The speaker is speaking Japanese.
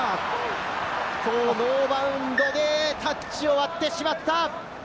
ノーバウンドでタッチを割ってしまった！